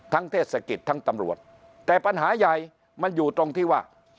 เทศกิจทั้งตำรวจแต่ปัญหาใหญ่มันอยู่ตรงที่ว่า